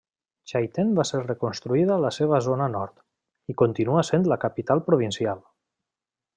Chaitén va ser reconstruïda a la seva zona nord, i continua sent la capital provincial.